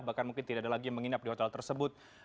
bahkan mungkin tidak ada lagi yang menginap di hotel tersebut